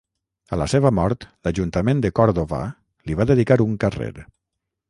A la seva mort l'Ajuntament de Còrdova li va dedicar un carrer.